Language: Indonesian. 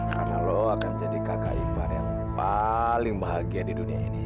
karena lo akan jadi kakak impar yang paling bahagia di dunia ini